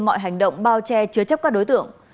mọi hành động bao che chứa chấp các đối tượng